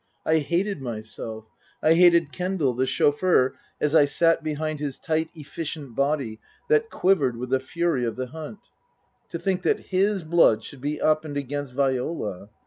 I hated myself ; I hated Kendal, the chauffeur, as I sat behind his tight, efficient body that quivered with the fury of the hunt. (To think that his blood should be up and against Viola